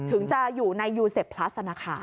ถึงจะอยู่ในยูเสพพลัส